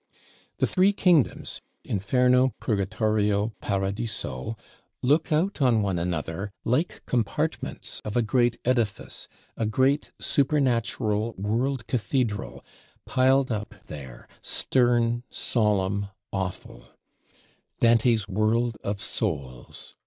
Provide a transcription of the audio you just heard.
The three kingdoms, Inferno, Purgatorio, Paradiso, look out on one another like compartments of a great edifice; a great supernatural world cathedral, piled up there, stern, solemn, awful; Dante's World of Souls!